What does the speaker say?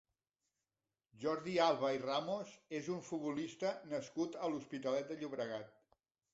Jordi Alba i Ramos és un futbolista nascut a l'Hospitalet de Llobregat.